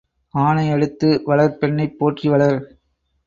ஆணை அடித்து வளர் பெண்ணைப் போற்றி வளர்.